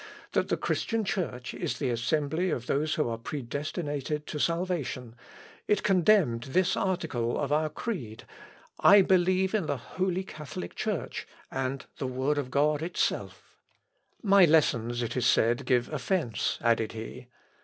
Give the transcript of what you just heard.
that the Christian Church is the assembly of those who are predestinated to salvation it condemned this article of our creed, I believe in the holy Catholic Church; and the Word of God itself. My lessons, it is said, give offence," added he.